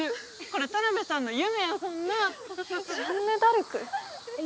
これ田辺さんの夢やもんな。ジャンヌ・ダルク？え？